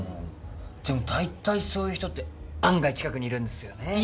でも大体そういう人って案外近くにいるんですよね。